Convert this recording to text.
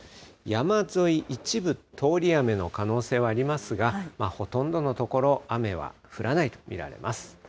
山沿い、一部通り雨の可能性はありますが、ほとんどの所、雨は降らないと見られます。